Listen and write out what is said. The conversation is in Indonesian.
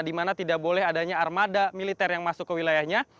di mana tidak boleh adanya armada militer yang masuk ke wilayahnya